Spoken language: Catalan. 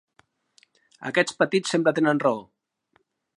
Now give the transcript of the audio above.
Aquests petits sempre tenen raó!